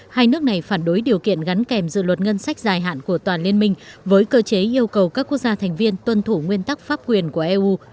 hai nước này phản đối điều kiện gắn kèm dự luật ngân sách dài hạn của toàn liên minh với cơ chế yêu cầu các quốc gia thành viên tuân thủ nguyên tắc pháp quyền của eu